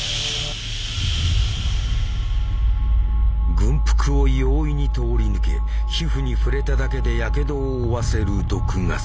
軍服を容易に通り抜け皮膚に触れただけでやけどを負わせる毒ガス。